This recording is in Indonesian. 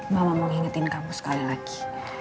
mama mau ngingetin kamu sekali lagi